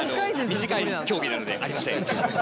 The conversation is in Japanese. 短い競技なのでありません。